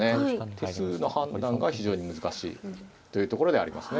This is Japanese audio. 手数の判断が非常に難しいというところではありますね。